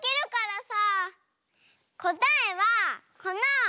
こたえはこの。